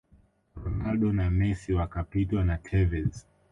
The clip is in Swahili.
ronaldo na Messi wakapitwa na Tevez